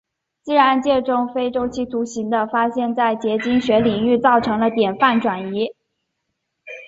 自然界中非周期图形的发现在结晶学领域造成了典范转移。